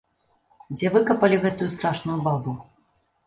Дзе выкапалі гэтую страшную бабу?